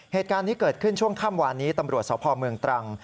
เหตุการณ์นี้เกิดขึ้นช่วงค่ำวานนี้ตำรวจสพเมืองตรัง